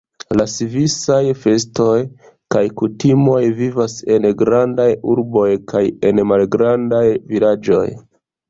La svisaj festoj kaj kutimoj vivas en grandaj urboj kaj en malgrandaj vilaĝoj.